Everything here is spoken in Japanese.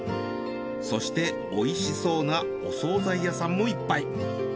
そしておいしそうなお惣菜屋さんもいっぱい。